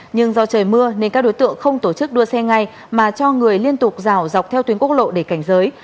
nhưng do trời mưa nên các đối tượng không tổ chức đua xe ngay mà cho người liên tục rào dọc theo tuyến quốc lộ để cảnh giới